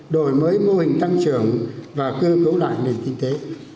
đổi mới mô hình tăng trưởng và cơ cấu lại nền kinh tế